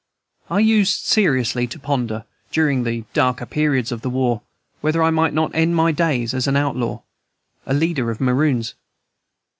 I used seriously to ponder, during the darker periods of the war, whether I might not end my days as an outlaw, a leader of Maroons.